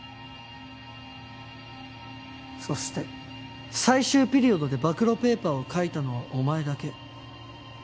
そして最終ピリオドで暴露ペーパーを書いたのはお前だけ。